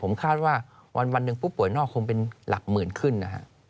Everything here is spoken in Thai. ผมคาดว่าวันหนึ่งผู้ป่วยนอกคงเป็นหลักหมื่นขึ้นนะฮะ